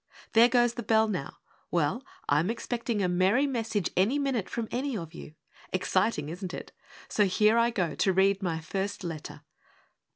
There goes the bell now! Well, I'm expecting a merry message any minute from any of you! Exciting, isn't it? So here I go to read my first letter!